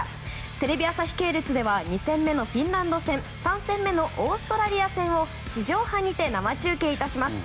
テレビ朝日系列では２戦目のフィンランド戦３戦目のオーストラリア戦を地上波にて生中継いたします。